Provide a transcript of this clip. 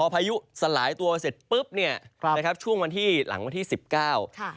พายุสลายตัวเสร็จปุ๊บเนี่ยครับนะครับช่วงวันที่หลังวันที่สิบเก้าค่ะ